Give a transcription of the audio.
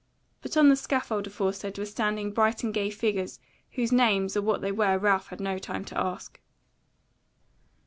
But on the scaffold aforesaid were standing bright and gay figures, whose names or what they were Ralph had no time to ask.